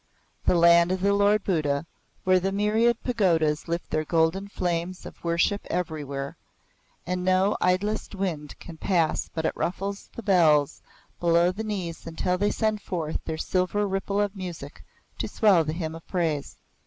The Land of the Lord Buddha, where the myriad pagodas lift their golden flames of worship everywhere, and no idlest wind can pass but it ruffles the bells below the knees until they send forth their silver ripple of music to swell the hymn of praise!